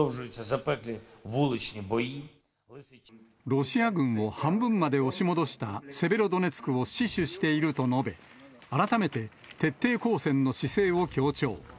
ロシア軍を半分まで押し戻したセベロドネツクを死守していると述べ、改めて徹底抗戦の姿勢を強調。